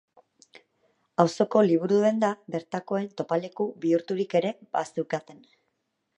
Auzoko liburudenda bertakoen topaleku bihurturik ere bazeukaten.